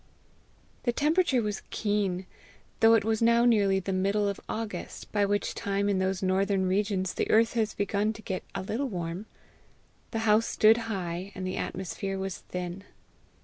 The temperature was keen, though it was now nearly the middle of August, by which time in those northern regions the earth has begun to get a little warm: the house stood high, and the atmosphere was thin.